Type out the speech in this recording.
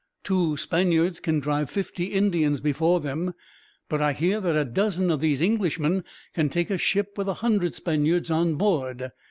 Two Spaniards can drive fifty Indians before them, but I hear that a dozen of these Englishmen can take a ship with a hundred Spaniards on board.